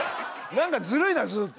何かずるいなずっと！